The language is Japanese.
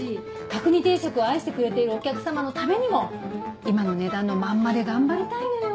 角煮定食を愛してくれているお客様のためにも今の値段のまんまで頑張りたいのよ。